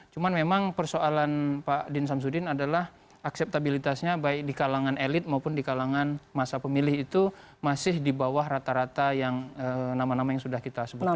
cuma memang persoalan pak din samsudin adalah akseptabilitasnya baik di kalangan elit maupun di kalangan masa pemilih itu masih di bawah rata rata yang nama nama yang sudah kita sebutkan